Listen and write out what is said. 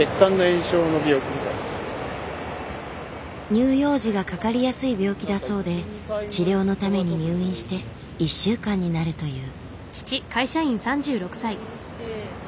乳幼児がかかりやすい病気だそうで治療のために入院して１週間になるという。